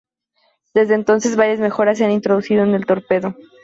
Desde entonces, varias mejoras se han introducido en el torpedo.